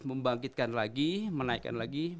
membangkitkan lagi menaikkan lagi